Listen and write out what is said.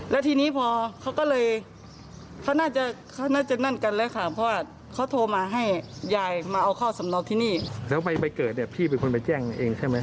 แล้วใบเกิดพี่เป็นคนแจ้งเองใช่ไหม